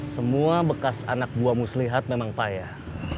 semua bekas anak buah mus lihat memang payah